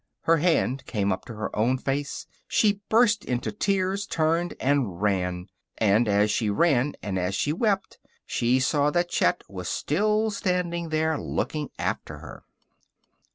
Her hand came up to her own face. She burst into tears, turned, and ran. And as she ran, and as she wept, she saw that Chet was still standing there, looking after her.